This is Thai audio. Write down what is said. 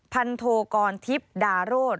พันธุ์โทรกรทิพย์ดาโรธ